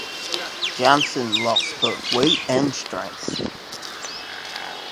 Johnson lost both weight and strength.